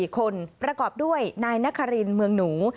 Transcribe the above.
๔คนประกอบด้วยนายนครินเมืองหนู